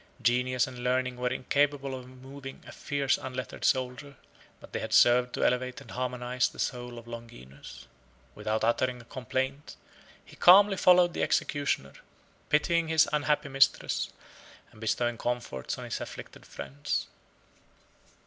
Genius and learning were incapable of moving a fierce unlettered soldier, but they had served to elevate and harmonize the soul of Longinus. Without uttering a complaint, he calmly followed the executioner, pitying his unhappy mistress, and bestowing comfort on his afflicted friends.